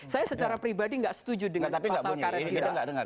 saya secara pribadi nggak setuju dengan pasal karet kita